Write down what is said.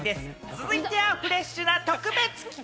続いてはフレッシュな特別企画。